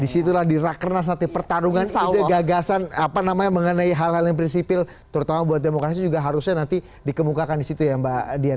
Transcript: disitulah dirakernas nanti pertarungan itu gagasan apa namanya mengenai hal hal yang prinsipil terutama buat demokrasi juga harusnya nanti dikemukakan disitu ya mbak dian